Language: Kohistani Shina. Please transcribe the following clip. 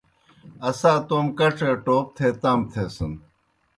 اسا توموْ کڇے ٹوپ تھے تام تھیسَن۔